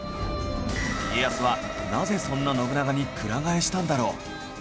家康はなぜそんな信長に鞍替えしたんだろう？